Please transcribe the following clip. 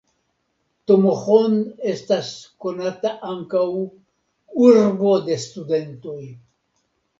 Tomohon estas konata ankaŭ "urbo de studentoj".